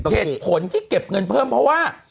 เหตุผลที่เก็บเงินเพิ่มเพราะว่า